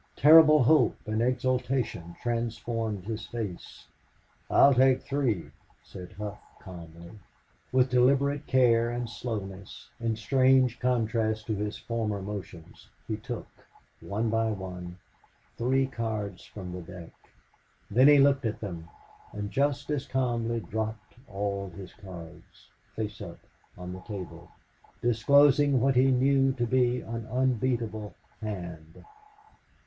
Terrible hope and exultation transformed his face. "I'll take three," said Hough, calmly. With deliberate care and slowness, in strange contrast to his former motions, he took, one by one, three cards from the deck. Then he looked at them, and just as calmly dropped all his cards, face up, on the table, disclosing what he knew to be an unbeatable hand.